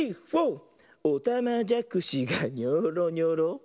「おたまじゃくしがニョーロニョロ」